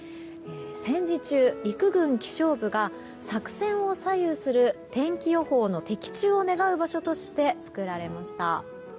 戦時中、陸軍気象部が作戦を左右する天気予報の的中を願う場所として作られました。